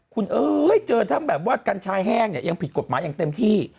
คุณเจอถ้าแบบว่ากัญชายแห้งยังผิดกฎหมายอย่างเต็มที่